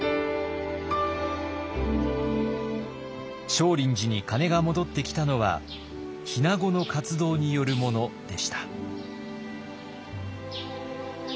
少林寺に鐘が戻ってきたのは日名子の活動によるものでした。